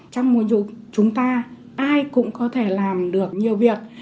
trong mùa dù chúng ta ai cũng có thể làm được nhiều việc